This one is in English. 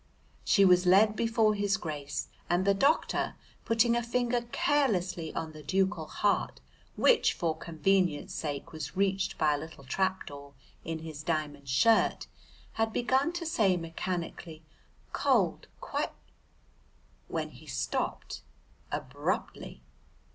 She was led before his grace, and the doctor putting a finger carelessly on the ducal heart, which for convenience sake was reached by a little trapdoor in his diamond shirt, had begun to say mechanically, "Cold, qui ," when he stopped abruptly.